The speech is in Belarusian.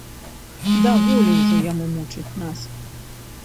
Даволі ўжо яму мучыць нас!